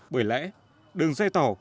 bởi lẽ đường dây tàu